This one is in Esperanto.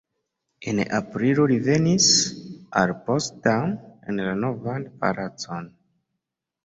En aprilo ili venis al Potsdam en la Novan palacon.